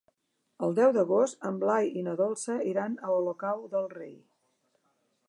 El deu d'agost en Blai i na Dolça iran a Olocau del Rei.